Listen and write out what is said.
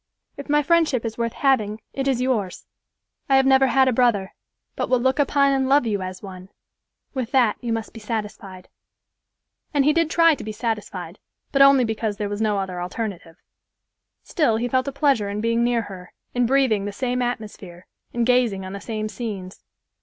If my friendship is worth having, it is yours. I have never had a brother, but will look upon and love you as one; with that, you must be satisfied." And he did try to be satisfied, but only because there was no other alternative. Still he felt a pleasure in being near her, in breathing the same atmosphere and gazing on the same scenes.